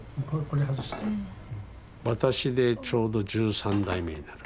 私でちょうど１３代目になる。